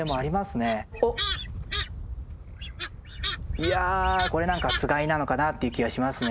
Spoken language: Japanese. いやこれ何かつがいなのかなっていう気はしますね。